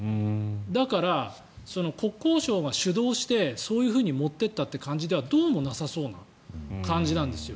だから、国交省が主導してそういうふうに持っていったという感じではどうもなさそうな感じなんですよ。